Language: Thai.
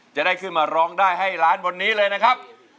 จะได้ขึ้นมาร้องได้ให้ล้านบนนี้เลยนะครับ